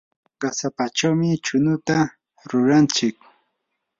qasapachawmi chunuta ruranchik.